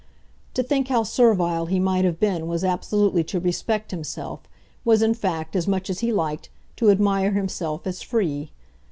To think how servile he might have been was absolutely to respect himself, was in fact, as much as he liked, to admire himself, as free.